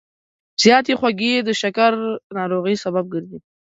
زیاتې خوږې د شکر ناروغۍ سبب ګرځي.